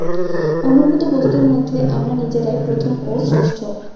অনুভূত বস্তুর মধ্যে আমরা নিজেরাই প্রথম ও শ্রেষ্ঠ।